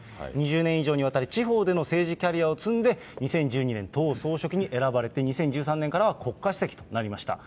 ２０年以上にわたり、地方での政治キャリアを積んで、２０１２年、党総書記に選ばれて２０１３年からは国家主席となりました。